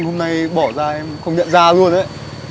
hôm nay bỏ ra em không nhận ra luôn đấy